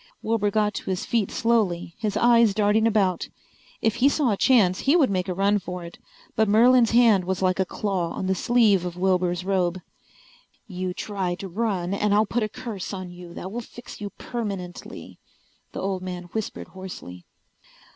Wilbur got to his feet slowly, his eyes darting about. If he saw a chance he would make a run for it. But Merlin's hand was like a claw on the sleeve of Wilbur's robe. "You try to run and I'll put a curse on you that will fix you permanently," the old man whispered hoarsely.